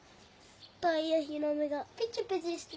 タイやヒラメがピチピチしてた。